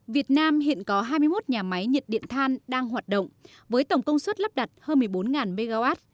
việt nam hiện có hai mươi một nhà máy nhiệt điện than đang hoạt động với tổng công suất lắp đặt hơn một mươi bốn mw